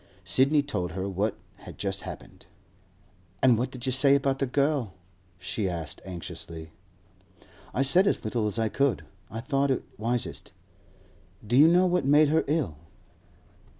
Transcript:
Sidney told her what had just happened. 'An' what did you say about the girl?' she asked anxiously. 'I said as little as I could; I thought it wisest. Do you know what made her ill?